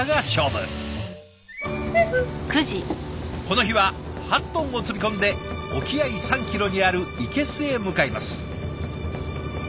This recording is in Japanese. この日は８トンを積み込んで沖合３キロにある生けすへ向かいます。